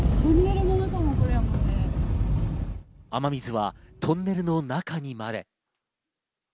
雨水はトンネルの中にまで。